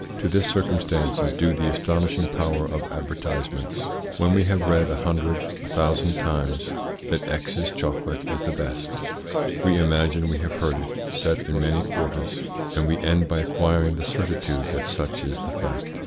To this circumstance is due the astonishing power of advertisements. When we have read a hundred, a thousand, times that X's chocolate is the best, we imagine we have heard it said in many quarters, and we end by acquiring the certitude that such is the fact.